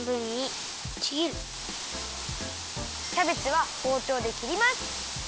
キャベツはほうちょうで切ります。